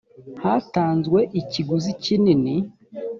hatanzwe ikiguzi kinini